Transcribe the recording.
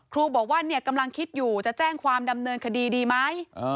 ครูบอกว่ากำลังคิดอยู่จะแจ้งความดำเนินคดีดีไหม